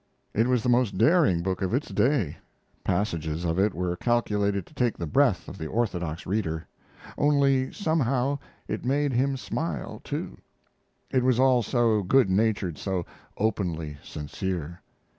It was the most daring book of its day. Passages of it were calculated to take the breath of the orthodox reader; only, somehow, it made him smile, too. It was all so good natured, so openly sincere.